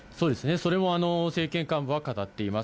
それも政権幹部は語っています。